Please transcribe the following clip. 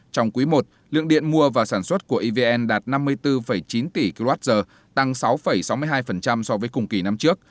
trong quý i lượng điện mua và sản xuất của evn đạt năm mươi bốn chín tỷ kwh tăng sáu sáu mươi hai so với cùng kỳ năm trước